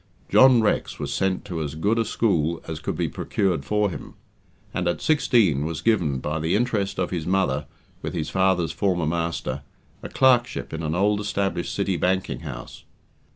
John Rex was sent to as good a school as could be procured for him, and at sixteen was given, by the interest of his mother with his father's former master, a clerkship in an old established city banking house.